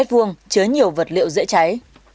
chứa nhiều vật liệu dễ cháy